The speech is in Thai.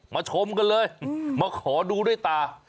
ชมกันเลยมาขอดูด้วยตา